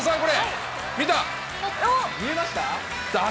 見えました？